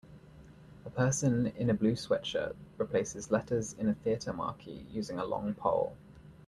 A person in a blue sweatshirt replaces letters in a theater marquee using a long pole.